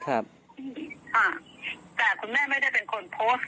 แต่คุณแม่ไม่ได้เป็นคนโพสต์